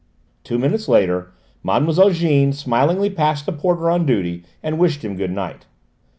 Two minutes later Mlle. Jeanne smilingly passed the porter on duty and wished him good night.